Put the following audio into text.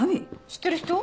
知ってる人？